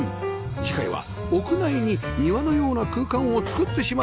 次回は屋内に庭のような空間をつくってしまった家です